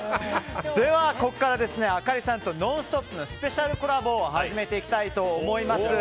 ここからあかりさんと「ノンストップ！」のスペシャルコラボを始めていきたいと思います。